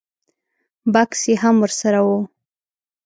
بکس یې هم ور سره و.